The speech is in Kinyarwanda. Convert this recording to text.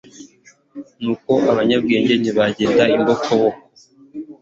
nuko abanyabwenge ntibagenda imbokoboko.